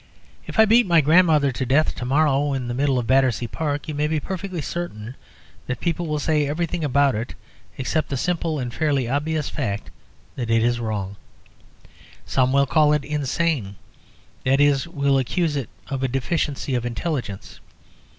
If I beat my grandmother to death to morrow in the middle of Battersea Park, you may be perfectly certain that people will say everything about it except the simple and fairly obvious fact that it is wrong. Some will call it insane; that is, will accuse it of a deficiency of intelligence.